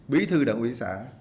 bí thư đảng quỹ xã